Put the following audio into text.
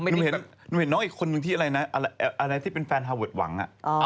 หนุ่มเห็นน้องอีกคนนึงที่อะไรนะอะไรที่เป็นแฟนฮาเวิร์ดหวัง